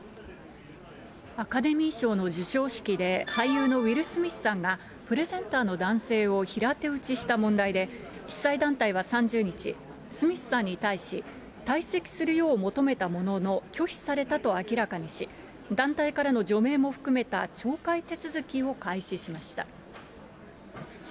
アカデミー賞の授賞式で俳優のウィル・スミスさんがプレゼンターの男性を平手打ちした問題で、主催団体は３０日、スミスさんに対し、退席するよう求めたものの拒否されたと明らかにし、団体からの除名も含めた懲戒手続きを開始しました。